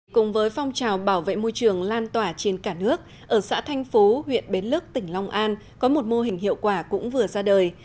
cùng với phong trào bảo vệ môi trường lan tỏa trên cả nước ở xã thanh phú huyện bến lức tỉnh long an có một mô hình hiệu quả cũng vừa ra đời